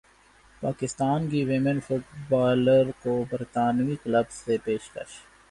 پاکستان کی women footballer کو برطانوی کلب سے پیشکش